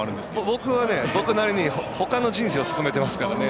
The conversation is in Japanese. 僕は僕なりにほかの人生を進めてますからね。